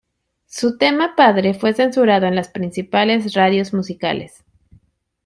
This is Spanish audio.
Su tema "Padre" fue censurado en las principales radios musicales.